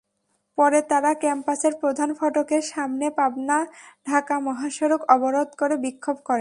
পরে তাঁরা ক্যাম্পাসের প্রধান ফটকের সামনে পাবনা-ঢাকা মহাসড়ক অবরোধ করে বিক্ষোভ করেন।